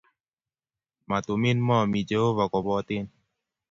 Matumein mo mi chehova koboten